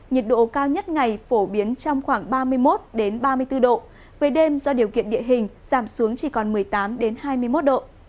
nhiệt độ cao nhất ngày phổ biến trong khoảng ba mươi một ba mươi bốn độ về đêm do điều kiện địa hình giảm xuống chỉ còn một mươi tám hai mươi một độ